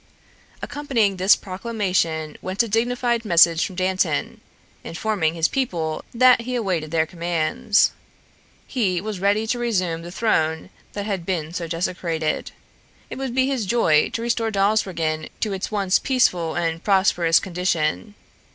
Accompanying this proclamation went a dignified message from Dantan, informing his people that he awaited their commands. He was ready to resume the throne that had been so desecrated. It would be his joy to restore Dawsbergen to its once peaceful and prosperous condition.